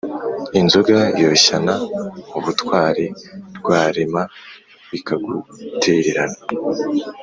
inzoga yoshyana ubutwari, rwarema ikagutererana